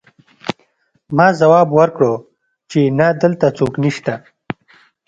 ما ځواب ورکړ چې نه دلته څوک نشته